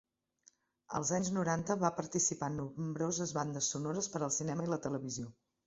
Als anys noranta va participar en nombroses bandes sonores per al cinema i la televisió.